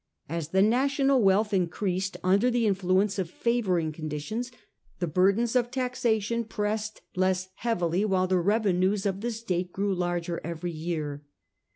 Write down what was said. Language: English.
As the national wealth increased under the influence of favouring conditions, the burdens of taxation pressed less heavily, while the revenues of the state grew larger every year.